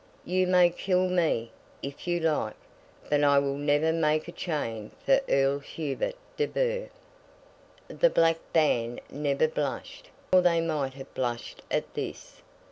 You may kill me, if you like, but I will never make a chain for Earl Hubert de Burgh!' The Black Band never blushed, or they might have blushed at this.